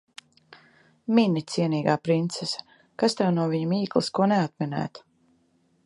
Mini, cienīgā princese. Kas tev no viņa mīklas ko neatminēt.